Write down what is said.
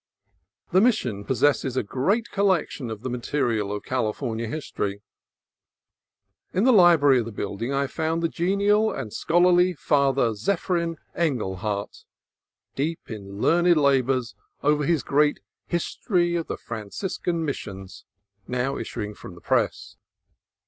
The Mission possesses a great collection of the material of California history. In the library of the building I found the genial and scholarly Father Zephyrin Engelhardt, deep in learned labors over his great "History of the Franciscan Missions," now issuing from the press.